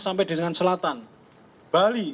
sampai dengan selatan bali